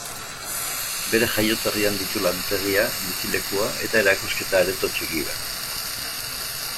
Bere jaioterrian ditu lantegia, bizilekua eta erakusketa areto txiki bat.